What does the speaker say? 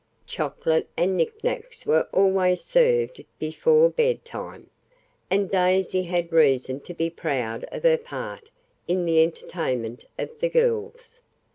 Chocolate and knickknacks were always served before bedtime, and Daisy had reason to be proud of her part in the entertainment of the girls.